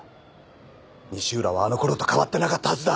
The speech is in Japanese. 西浦はあの頃と変わってなかったはずだ！